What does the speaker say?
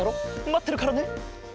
まってるからね。